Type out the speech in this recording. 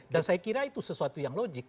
dan saya kira itu sesuatu yang logik